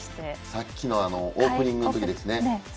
さっきのオープニングトークですね。